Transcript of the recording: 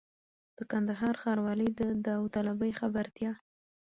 د کندهار ښاروالۍ د داوطلبۍ خبرتیا!